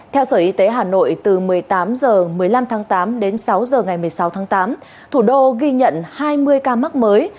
theo sở y tế hà nội từ một mươi tám h một mươi năm tháng tám đến sáu h ngày một mươi sáu tháng tám thủ đô ghi nhận hai mươi ca mắc mới